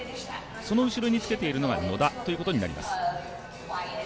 その後ろにつけているのが野田ということになります。